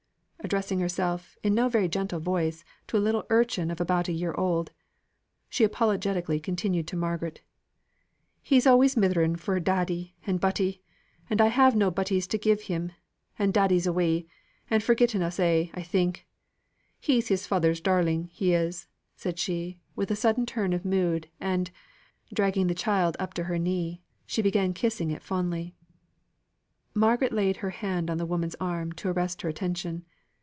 addressing herself, in no very gentle voice, to a little urchin of about a year old. She apologetically continued to Margaret, "He's always mithering me for 'daddy' and 'butty'; and I ha' no butties to give him, and daddy's away, and forgotten us a', I think. He's his father's darling, he is," said she, with a sudden turn of mood, and, dragging the child up to her knee, she began kissing it fondly. Margaret laid her hand on the woman's arm to arrest her attention.